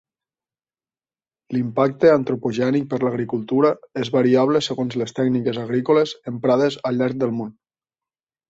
L'impacte antropogènic per l'agricultura és variable segons les tècniques agrícoles emprades al llarg del món.